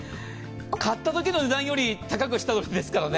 買ったときの値段より高く下取りですからね。